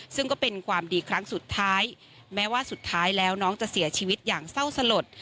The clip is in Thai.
ซึ่งก็เป็นความดีครั้งสุดท้ายแม้ว่าสุดท้ายแล้วน้องจะเสียชีวิตอย่างเศร้าสลด